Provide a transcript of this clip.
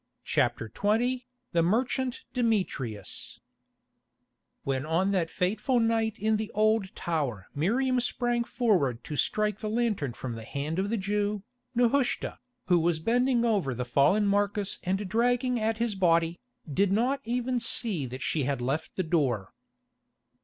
CHAPTER XX THE MERCHANT DEMETRIUS When on that fateful night in the Old Tower Miriam sprang forward to strike the lantern from the hand of the Jew, Nehushta, who was bending over the fallen Marcus and dragging at his body, did not even see that she had left the door.